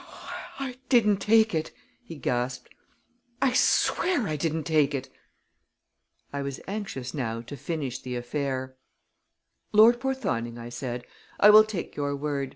"I didn't take it!" he gasped. "I swear I didn't take it!" I was anxious now to finish the affair. "Lord Porthoning," I said, "I will take your word.